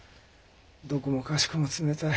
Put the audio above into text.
どこもかしこも冷たい。